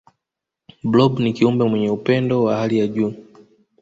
blob ni kiumbe mwenye upendo wa hali ya juu